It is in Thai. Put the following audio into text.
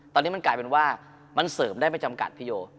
ตอนนี้มันกลายเป็นว่ามันเสริมได้ไม่จำกัดพี่โย